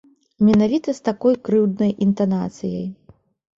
Менавіта з такой крыўднай інтанацыяй.